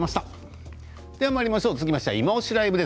続きましては「いまオシ！ＬＩＶＥ」。